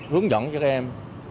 hướng dẫn cho các em